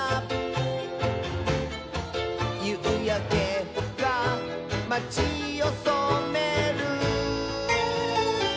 「ゆうやけがまちをそめる」